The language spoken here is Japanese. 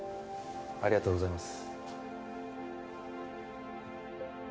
ありがとうございます。